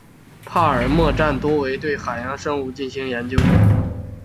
帕尔默站多为对海洋生物进行研究。